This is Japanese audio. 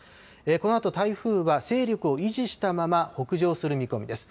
このあと台風は勢力を維持したまま北上する見込みです。